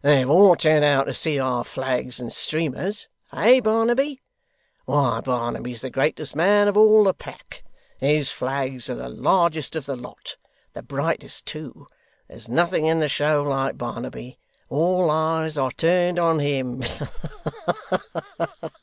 'They have all turned out to see our flags and streamers? Eh, Barnaby? Why, Barnaby's the greatest man of all the pack! His flag's the largest of the lot, the brightest too. There's nothing in the show, like Barnaby. All eyes are turned on him.